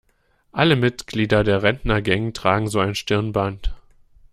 Alle Mitglieder der Rentnergang tragen so ein Stirnband.